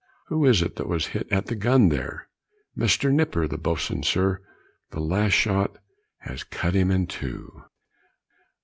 "Who is it that was hit at the gun there?" "Mr. Nipper, the boatswain, sir, the last shot has cut him in two."